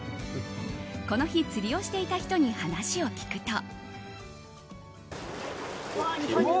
この日、釣りをしていた人に話を聞くと。